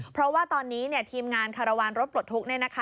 เพราะว่าตอนนี้ทีมงานคารวาลรถปลดทุกข์